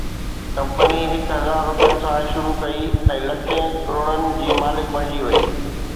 company هڪ هزار روپين سان شروع ڪئي ۽ لکين ڪروڙن جي مالڪ بڻجي وئي